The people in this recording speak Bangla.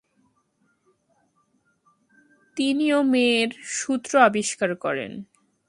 তিনি ও'মের সূত্র আবিষ্কার করেন।